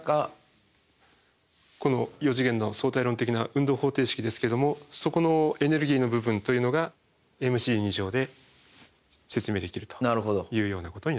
この４次元の相対論的な運動方程式ですけどもそこのエネルギーの部分というのがｍｃで説明できるというようなことになってきました。